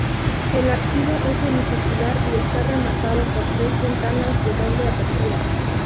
El ábside es semicircular y está rematado por tres ventanas de doble apertura.